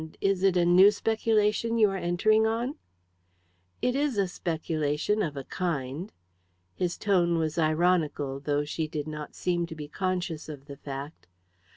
Is it a new speculation you are entering on?" "It is a speculation of a kind." His tone was ironical, though she did not seem to be conscious of the fact.